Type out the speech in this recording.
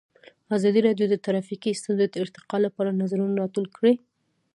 ازادي راډیو د ټرافیکي ستونزې د ارتقا لپاره نظرونه راټول کړي.